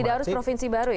tidak harus provinsi baru ya